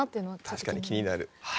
確かに気になる。